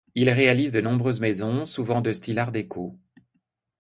Il réalise de nombreuses maisons souvent de style Art déco.